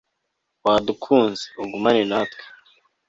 wadukunze, ugumane natwe